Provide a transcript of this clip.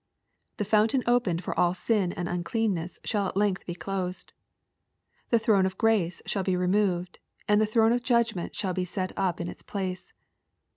The fountain opened for all sin and uncleanness shall at length be closed. The throne of grace shall be re moved, and the throne of judgment shall be set up in its place.